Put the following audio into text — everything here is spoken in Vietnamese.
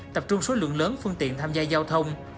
tập trung số lượng lớn phương tiện tham gia giao thông